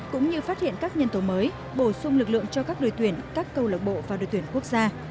cũng như phát hiện các nhân tố mới bổ sung lực lượng cho các đội tuyển các câu lạc bộ vào đội tuyển quốc gia